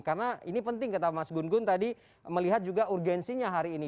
karena ini penting kata mas gun gun tadi melihat juga urgensinya hari ini